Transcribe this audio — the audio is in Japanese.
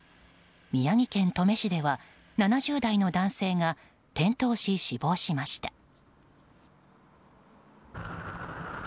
宮城県登米市では７０代の男性が転倒し死亡しました。